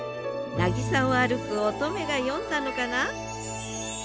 なぎさを歩く乙女が詠んだのかな？